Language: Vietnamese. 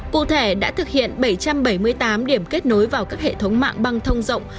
cụ thể đã thực hiện bảy trăm bảy mươi tám điểm kết nối vào các hệ thống mạng băng thông rộng